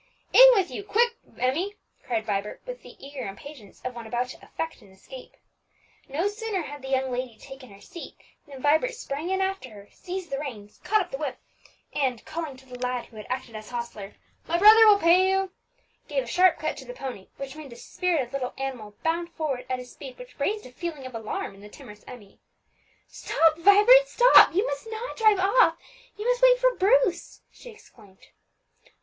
"In with you, quick, Emmie!" cried Vibert, with the eager impatience of one about to effect an escape. No sooner had the young lady taken her seat than Vibert sprang in after her, seized the reins, caught up the whip, and calling to the lad who had acted as hostler, "My brother will pay you," gave a sharp cut to the pony, which made the spirited little animal bound forward at a speed which raised a feeling of alarm in the timorous Emmie. "Stop, Vibert, stop! you must not drive off; you must wait for Bruce!" she exclaimed.